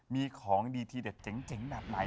มีของดีทีเด็ดเจ๋งแบบไหน